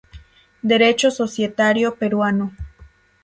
Derecho Societario Peruano.